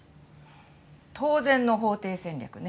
当然の法廷戦略ね。